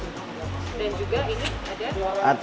dan juga ini ada